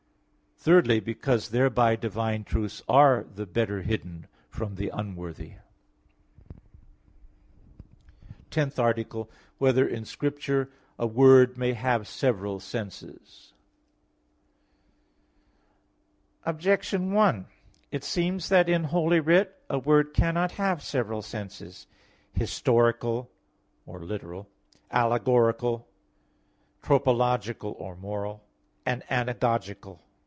Thirdly, because thereby divine truths are the better hidden from the unworthy. _______________________ TENTH ARTICLE [I, Q. 1, Art. 10] Whether in Holy Scripture a Word may have Several Senses? Objection 1: It seems that in Holy Writ a word cannot have several senses, historical or literal, allegorical, tropological or moral, and anagogical.